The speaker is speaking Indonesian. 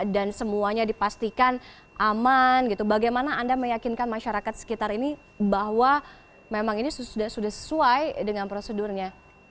dan semuanya dipastikan aman bagaimana anda meyakinkan masyarakat sekitar ini bahwa memang ini sudah sesuai dengan prosedurnya